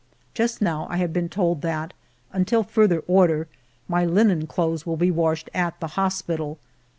Just now I have been told that, until further order, my linen clothes will be washed at the hospital.